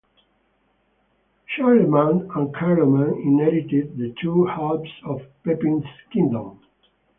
Charlemagne and Carloman inherited the two halves of Pepin's kingdom.